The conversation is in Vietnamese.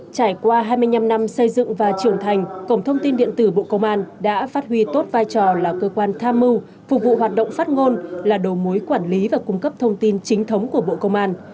trải qua hai mươi năm năm xây dựng và trưởng thành cổng thông tin điện tử bộ công an đã phát huy tốt vai trò là cơ quan tham mưu phục vụ hoạt động phát ngôn là đầu mối quản lý và cung cấp thông tin chính thống của bộ công an